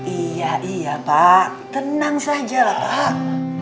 iya iya pak tenang sajalah pak